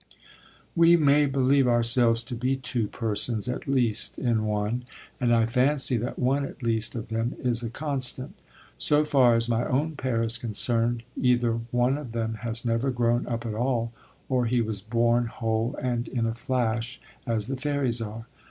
We may believe ourselves to be two persons, at least, in one, and I fancy that one at least of them is a constant. So far as my own pair is concerned, either one of them has never grown up at all, or he was born whole and in a flash, as the fairies are.